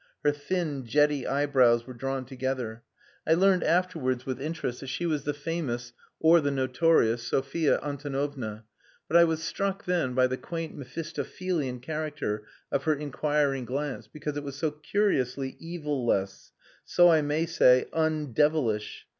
Her thin, jetty eyebrows were drawn together. I learned afterwards with interest that she was the famous or the notorious Sophia Antonovna, but I was struck then by the quaint Mephistophelian character of her inquiring glance, because it was so curiously evil less, so I may say un devilish.